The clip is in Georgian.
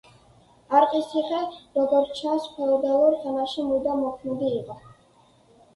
არყისციხე, როგორც ჩანს, ფეოდალურ ხანაში მუდამ მოქმედი იყო.